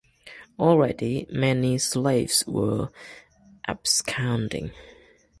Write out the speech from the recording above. Already, many slaves were absconding.